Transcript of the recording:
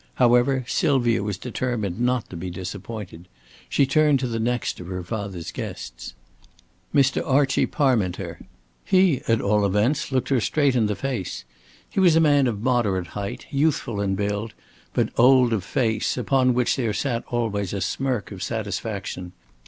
However, Sylvia was determined not to be disappointed. She turned to the next of her father's guests. "Mr. Archie Parminter." He at all events looked her straight in the face. He was a man of moderate height, youthful in build, but old of face, upon which there sat always a smirk of satisfaction.